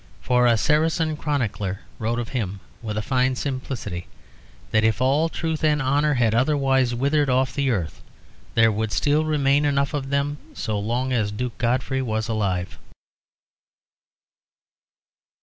For a Saracen chronicler wrote of him, with a fine simplicity, that if all truth and honour had otherwise withered off the earth, there would still remain enough of them so long as Duke Godfrey was alive.